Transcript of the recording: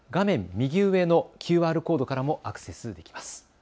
右上のＱＲコードからもアクセスできます。